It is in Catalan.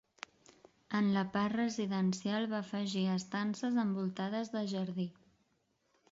En la part residencial va afegir estances envoltades de jardí.